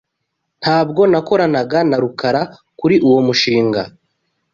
Ntabwo nakoranaga na Rukara kuri uwo mushinga.